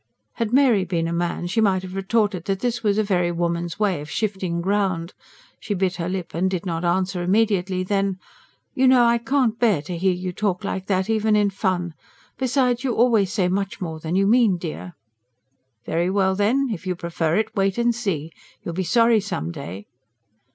Had Mary been a man, she might have retorted that this was a very woman's way of shifting ground. She bit her lip and did not answer immediately. Then: "You know I can't bear to hear you talk like that, even in fun. Besides, you always say much more than you mean, dear." "Very well then, if you prefer it, wait and see! You'll be sorry some day."